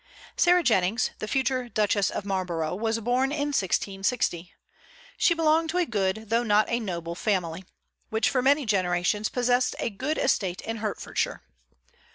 Sarah Jennings, the future Duchess of Marlborough, was born in 1660. She belonged to a good though not a noble family, which for many generations possessed a good estate in Hertfordshire.